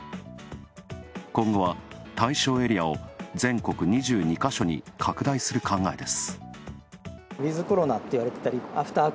今後は、対象エリアを全国２２ヶ所に拡大する考えです。